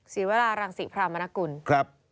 ศรีวรารังศรีพระมนากุล